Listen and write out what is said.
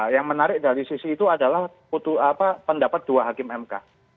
yang menarik dari sisi itu adalah pendapat dua hakim mk